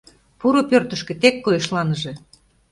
Пуро пӧртышкӧ, тек койышланыже!